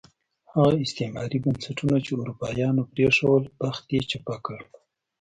هغه استعماري بنسټونه چې اروپایانو پرېښودل، بخت یې چپه کړ.